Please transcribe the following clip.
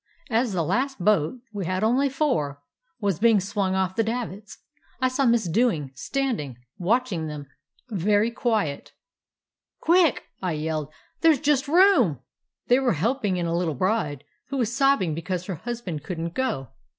"As the last boat — we had only four — was being swung off the davits, I saw Miss Dewing standing watching them, very quiet. "'Quick!' I yelled. 'There's just room!' They were helping in a little bride, who was sobbing because her husband could n't go.